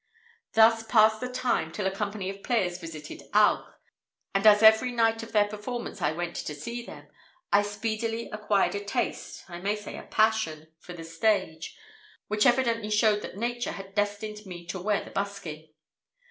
Thus passed the time till a company of players visited Auch; and as every night of their performance I went to see them, I speedily acquired a taste I may say a passion, for the stage, which evidently showed that nature had destined me to wear the buskin.